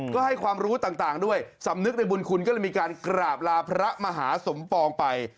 ก็ให้ความรู้ต่างด้วยสำนึกในบุญคุณก็เลยมีการกราบลาพระมหาสมปองไป